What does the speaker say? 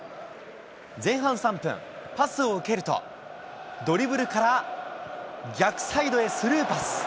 前半３分、パスを受けると、ドリブルから逆サイドへスルーパス。